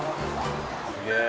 すげえ。